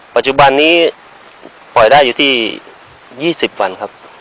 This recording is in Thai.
ปัจจุบันนี้ปล่อยได้อยู่ที่๒๐วันครับ